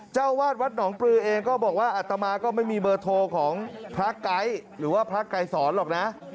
เจ้าวาดวัดหนองปลือเองก็บอกว่าอัตมาก็ไม่มีเบอร์โทรของพระไก๊หรือว่าพระไกรสอนหรอกนะ